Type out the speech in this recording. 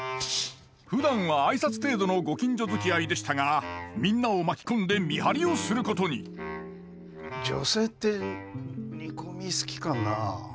ふだんは挨拶程度のご近所づきあいでしたがみんなを巻き込んで見張りをすることに女性って煮込み好きかなあ。